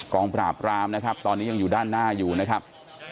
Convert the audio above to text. งปราบรามนะครับตอนนี้ยังอยู่ด้านหน้าอยู่นะครับ